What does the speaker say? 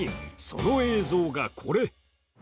その映像がこれ。